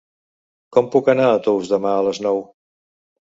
Com puc anar a Tous demà a les nou?